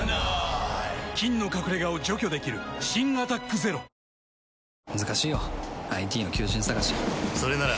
菌の隠れ家を除去できる新「アタックＺＥＲＯ」キリカ様